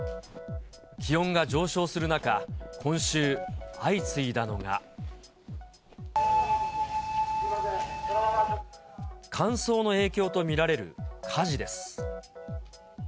気温が上昇する中、今週、相次いだのが、乾燥の影響と見られる火事です。